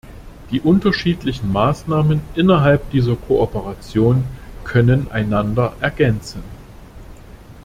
Die unterschiedlichen Maßnahmen innerhalb dieser Kooperation können einander ergänzen.